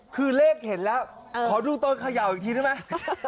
คือเลขเห็นแล้วขอดูต้นเขย่าอีกทีได้ไหม